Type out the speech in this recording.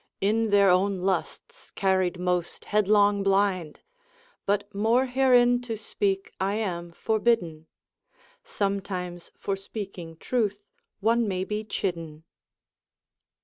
In their own lusts carried most headlong blind, But more herein to speak I am forbidden; Sometimes for speaking truth one may be chidden.